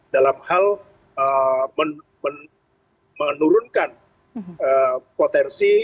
dalam hal menurunkan potensi